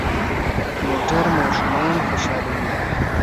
موټر ماشومان خوشحالوي.